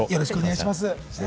よろしくお願いします。